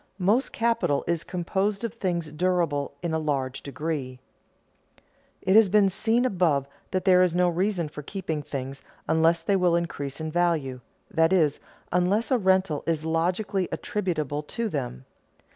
Most capital is composed of things durable in a large degree. It has been seen above that there is no reason for keeping things unless they will increase in value, that is, unless a rental is logically attributable to them.